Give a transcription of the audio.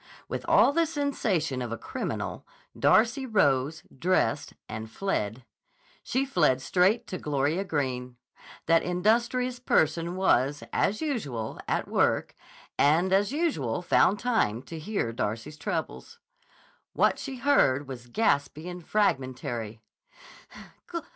With all the sensation of a criminal, Darcy rose, dressed, and fled. She fled straight to Gloria Greene. That industrious person was, as usual, at work, and as usual found time to hear Darcy's troubles. What she heard was gaspy and fragmentary.